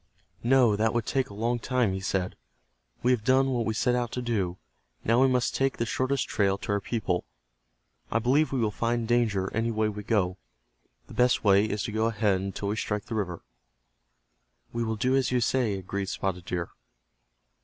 "No, that would take a long time," he said. "We have done what we set out to do. Now we must take the shortest trail to our people. I believe we will find danger any way we go. The best way is to go ahead until we strike the river." "We will do as you say," agreed Spotted Deer.